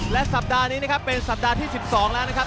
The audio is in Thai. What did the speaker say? และสัปดาห์นี้นะครับเป็นสัปดาห์ที่๑๒แล้วนะครับ